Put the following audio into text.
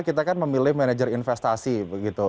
kita kan memilih manajer investasi begitu